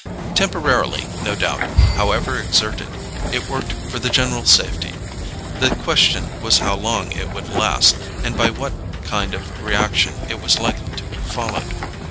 Temporarily, no doubt, however exerted, it worked for the general safety: the question was how long it would last, and by what kind of reaction it was likely to be followed.